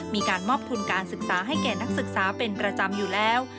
มีการมอบทุนการศึกษาให้แก่นักศึกษาเป็นประจำอยู่แล้ว